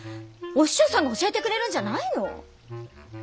お師匠さんが教えてくれるんじゃないの？